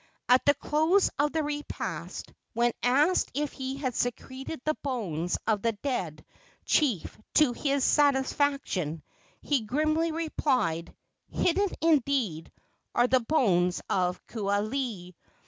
At the close of the repast, when asked if he had secreted the bones of the dead chief to his satisfaction, he grimly replied: "Hidden, indeed, are the bones of Kualii!